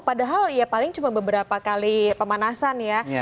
padahal ya paling cuma beberapa kali pemanasan ya